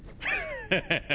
ハハハハ。